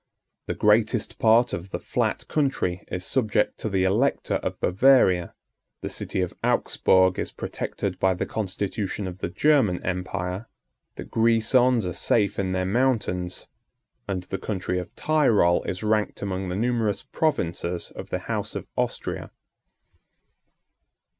The greatest part of the flat country is subject to the elector of Bavaria; the city of Augsburg is protected by the constitution of the German empire; the Grisons are safe in their mountains, and the country of Tirol is ranked among the numerous provinces of the house of Austria.